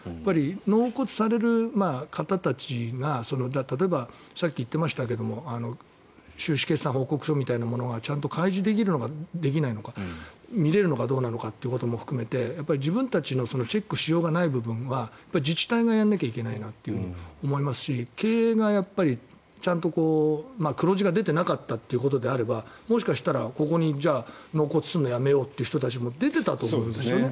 納骨される方たちが例えばさっき言っていましたけど収支決算報告書みたいなのがちゃんと開示できるのかできないのか見れるのかどうなのかってことも含めて自分たちのチェックしようがない部分は自治体がやんなきゃいけないなと思いますし経営がちゃんと黒字が出ていなかったということであればもしかしたら、ここに納骨するのやめようという人たちも出ていたと思うんですね。